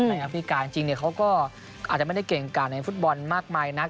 แอฟริกาจริงเขาก็อาจจะไม่ได้เก่งกาดในฟุตบอลมากมายนัก